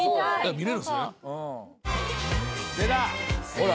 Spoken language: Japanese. ほら。